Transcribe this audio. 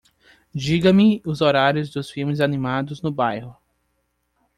Diga-me os horários dos filmes animados no bairro.